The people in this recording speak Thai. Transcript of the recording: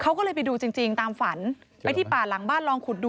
เขาก็เลยไปดูจริงตามฝันไปที่ป่าหลังบ้านลองขุดดู